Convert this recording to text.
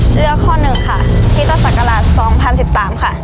เลือกข้อ๑ค่ะคิตศักราช๒๐๑๓ค่ะ